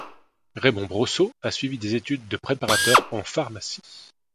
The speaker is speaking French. Raymond Brosseau a suivi des études de préparateur en pharmacie.